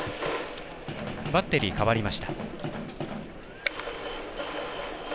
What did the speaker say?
バッテリー代わりました。